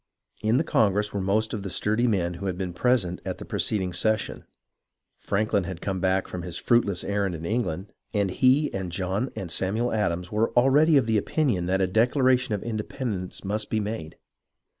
In the congress were most of the sturdy men who had been present at the preceding session. Franklin had come back from his fruitless errand in England, and he and John and Samuel Adams were already of the opinion that a declaration of independence must be made.